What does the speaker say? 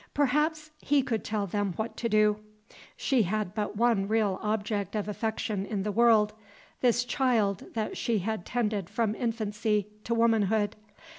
Perhaps he could tell them what to do. She had but one real object of affection in the world, this child that she had tended from infancy to womanhood.